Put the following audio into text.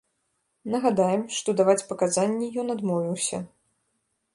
Нагадаем, што даваць паказанні ён адмовіўся.